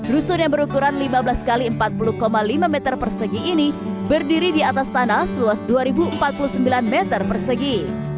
rusun yang berukuran lima belas x empat puluh lima meter persegi ini berdiri di atas tanah seluas dua empat puluh sembilan meter persegi